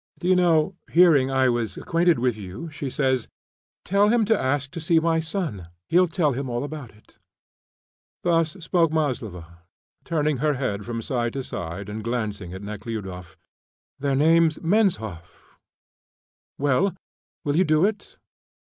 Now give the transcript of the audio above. D'you know, hearing I was acquainted with you, she says: 'Tell him to ask to see my son; he'll tell him all about it."' Thus spoke Maslova, turning her head from side to side, and glancing at Nekhludoff. "Their name's Menshoff. Well, will you do it?